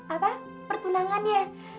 apa pertunangan ya